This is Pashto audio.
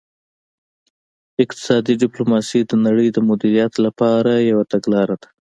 اقتصادي ډیپلوماسي د نړۍ د مدیریت لپاره یوه تګلاره ده